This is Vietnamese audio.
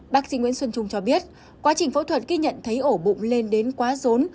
bác sĩ nguyễn xuân trung cho biết quá trình phẫu thuật ghi nhận thấy ổ bụng lên đến quá rốn